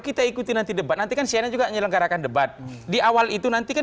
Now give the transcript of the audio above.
kita ikuti nanti debat nantikan siang juga menyelenggarakan debat di awal itu nantikan